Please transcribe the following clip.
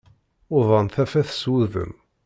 Uḍan tafat s wudem.